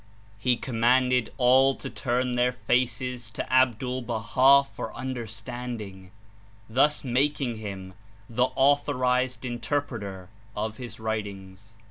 He commanded all to turn their faces to Abdul Baha for understanding, thus making him the authorized Interpreter of his writings.